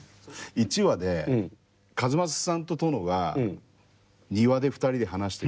１話で数正さんと殿が庭で２人で話してて。